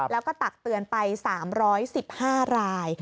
แล้วก็ตักเตือนไป๓๑๕ราย